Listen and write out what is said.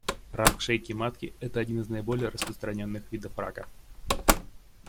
Рак шейки матки — это один из наиболее распространенных видов рака.